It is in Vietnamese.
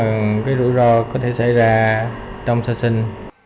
những cái rủi ro có thể xảy ra trong sơ sinh